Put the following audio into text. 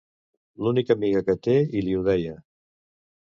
L’única amiga que té i li ho deia.